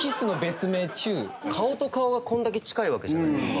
顔と顔がこれだけ近いわけじゃないですか。